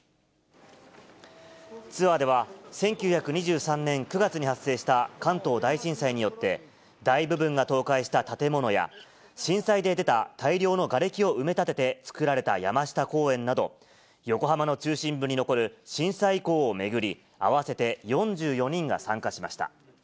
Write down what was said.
ツアーでは、１９２３年９月に発生した関東大震災によって、大部分が倒壊した建物や、震災で出た大量のがれきを埋め立てて造られた山下公園など、横浜の中心部に残る震災遺構を巡り、合わせて４４人が参加しました。